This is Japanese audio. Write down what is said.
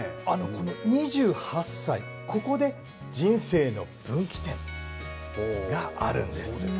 この２８歳、ここで人生の分岐点があるんです。